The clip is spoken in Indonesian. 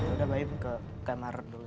udah baik buka kamar dulu ya